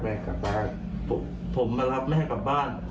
แต่ในสหะล่อคุมถือเห็นอยู่แก่สาหร่าง